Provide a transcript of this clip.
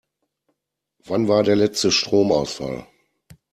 Wann war der letzte Stromausfall?